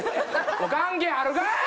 関係あるかい！